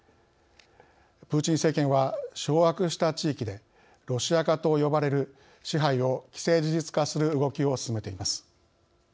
プーチン政権は掌握した地域で「ロシア化」と呼ばれる支配を既成事実化する動きを進めています。